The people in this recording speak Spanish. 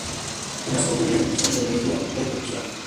Es más común en la Región del Egeo de Turquía.